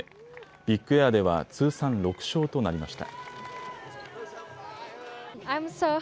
ビッグエアでは通算６勝となりました。